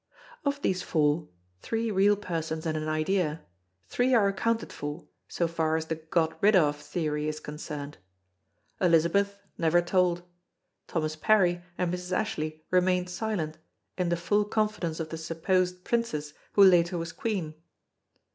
Of these four three real persons and an idea three are accounted for, so far as the "got rid of" theory is concerned. Elizabeth never told; Thomas Parry and Mrs. Ashley remained silent, in the full confidence of the (supposed) Princess who later was Queen.